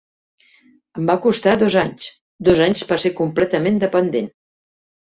Em va costar dos anys; dos anys per ser completament dependent.